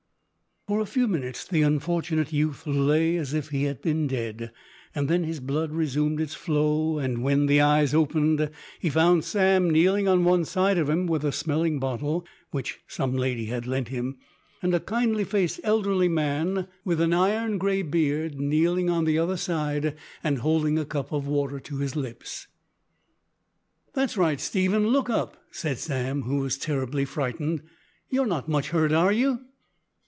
For a few minutes the unfortunate youth lay as if he had been dead. Then his blood resumed its flow, and when the eyes opened he found Sam kneeling on one side of him with a smelling bottle which some lady had lent him, and a kindly faced elderly man with an iron grey beard kneeling on the other side and holding a cup of water to his lips. "That's right, Stephen, look up," said Sam, who was terribly frightened, "you're not much hurt, are you?"